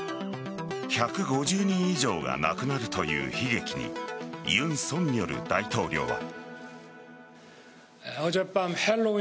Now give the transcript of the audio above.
１５０人以上が亡くなるという悲劇に尹錫悦大統領は。